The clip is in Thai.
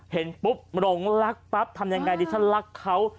เห็นปุ๊บหลงลักทำยังไงดิชั้นรักเขา